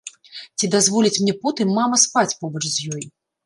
Ці дазволіць мне потым мама спаць побач з ёй?